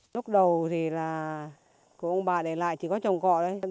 lúc đầu thì là của ông bà để lại chỉ có chồng cọ đấy